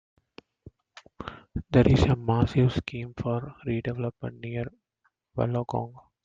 There is a massive scheme for redevelopment near Wollongong.